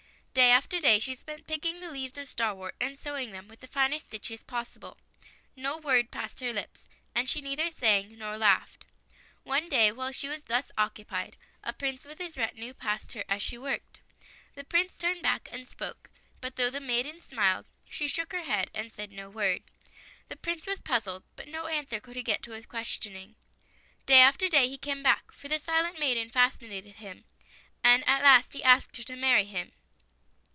Day after day she spent picking the leaves of starwort and sewing them with the finest stitches possible. No word passed her lips, and she neither sang nor laughed. One day while she was thus occupied, a Prince with his retinue, passed her as she worked. The Prince turned back and spoke, but though the maiden smiled, she shook her head and said no word. [ 51 ] FAVORITE FAIRY TALES RETOLD The Prince was puzzled, but no answer could he get to his questioning. Day after day he came back, for the silent maiden fascinated him, and at last he asked her to marry him.